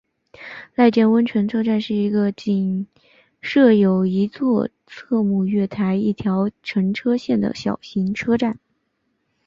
濑见温泉车站是一个仅设有一座侧式月台一条乘车线的小型车站。